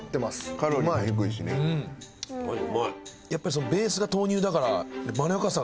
やっぱりそのベースが豆乳だから。